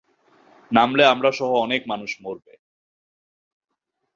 নামলে আমরা সহ অনেক মানুষ মরবে!